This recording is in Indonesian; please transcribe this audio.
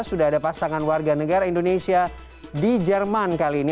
sudah ada pasangan warga negara indonesia di jerman kali ini